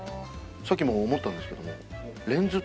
さっきも思ったんですけどレンズ。